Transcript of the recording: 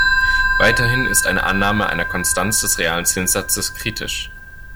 Weiterhin ist eine Annahme einer Konstanz des realen Zinssatzes kritisch.